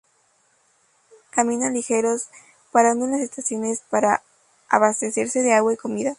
Caminan ligeros, parando en las estaciones para abastecerse de agua y comida.